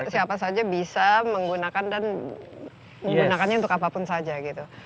siapa saja bisa menggunakan dan menggunakannya untuk apapun saja gitu